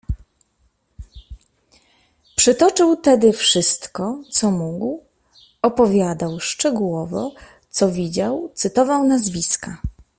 Przytoczył tedy wszystko, co mógł, opowiadał szczegółowo, co widział, cytował nazwiska.